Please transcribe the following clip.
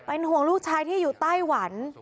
ห่วงลูกชายที่อยู่ไต้หวัน